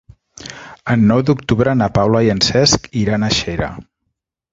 El nou d'octubre na Paula i en Cesc iran a Xera.